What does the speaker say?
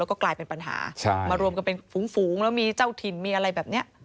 แล้วก็กลายเป็นปัญหามารวมกันเป็นฝูงแล้วมีเจ้าถิ่นมีอะไรแบบนี้